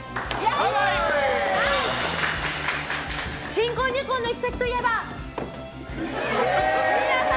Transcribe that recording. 新婚旅行の行き先といえば宮崎！